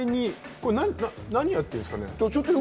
これ何やってるんですかね？